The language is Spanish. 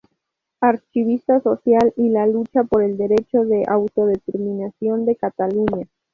Activista social y la lucha por el derecho de autodeterminación de Cataluña.